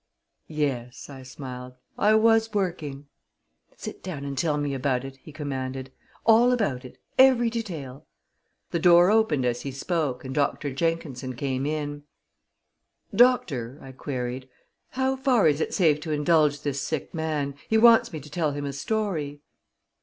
"Yes," I smiled; "I was working." "Sit down and tell me about it," he commanded. "All about it every detail." The door opened as he spoke, and Dr. Jenkinson came in. "Doctor," I queried, "how far is it safe to indulge this sick man? He wants me to tell him a story."